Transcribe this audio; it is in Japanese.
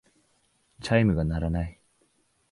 チャイムが鳴らない。